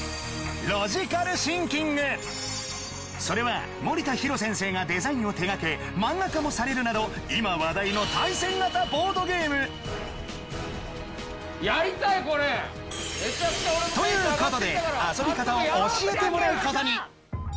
それは森多ヒロ先生がデザインを手がけマンガ化もされるなど今話題の対戦型ボードゲームやりたいこれ！ということで遊び方を教えてもらうことに。